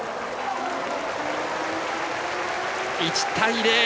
１対０。